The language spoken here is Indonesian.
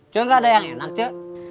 cek gak ada yang enak cek